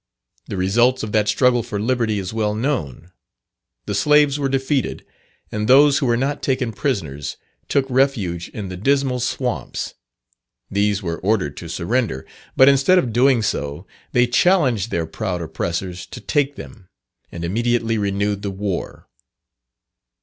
The result of that struggle for liberty is well known. The slaves were defeated, and those who were not taken prisoners, took refuge in the dismal swamps. These were ordered to surrender; but instead of doing so, they challenged their proud oppressors to take them, and immediately renewed the war.